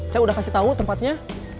saya udah kasih tau tempatnya